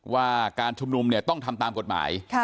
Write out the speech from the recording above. ว่าการชุมนุมเนี่ยต้องทำตามกฎหมาย